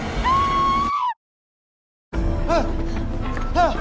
あっ！